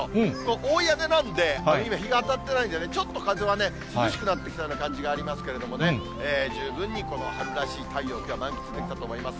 大屋根なんで、今、日が当たってないんでね、ちょっと風は涼しくなってきたような感じがありますけどね、十分に春らしい太陽が満喫できたと思います。